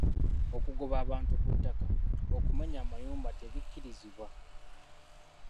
Okugoba abantu ku ttaka, okumenya amayumba tebikkirizibwa.